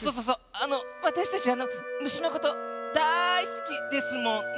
あのわたしたち虫のことだいすきですもんね。